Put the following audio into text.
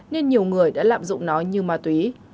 nên nhiều người đã lạm dụng nó như ma túy